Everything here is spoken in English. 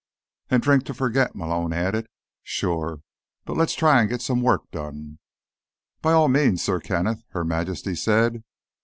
"And drink to forget," Malone added. "Sure. But let's try and get some work done." "By all means, Sir Kenneth," Her Majesty said.